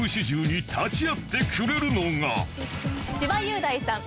その千葉雄大さん